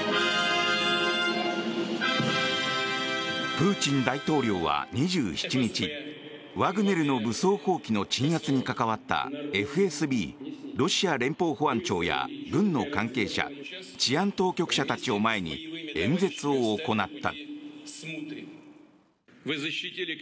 プーチン大統領は２７日ワグネルの武装蜂起の鎮圧に関わったＦＳＢ・ロシア連邦保安庁や軍の関係者治安当局者たちを前に演説を行った。